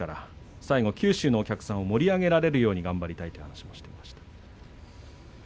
最後九州のお客さんを盛り上げられるように頑張りたいと話しています。